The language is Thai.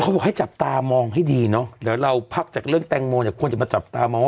บอกให้จับตามองให้ดีเนอะเดี๋ยวเราพักจากเรื่องแตงโมเนี่ยควรจะมาจับตามองว่า